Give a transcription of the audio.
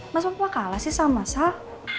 mas mbak kalah sih sama sal